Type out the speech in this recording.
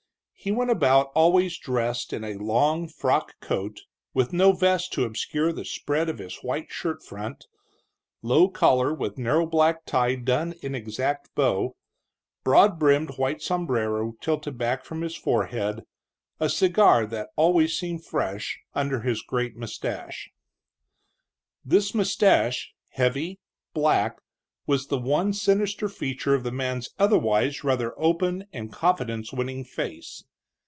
He went about always dressed in a long frock coat, with no vest to obscure the spread of his white shirt front; low collar, with narrow black tie done in exact bow; broad brimmed white sombrero tilted back from his forehead, a cigar that always seemed fresh under his great mustache. This mustache, heavy, black, was the one sinister feature of the man's otherwise rather open and confidence winning face.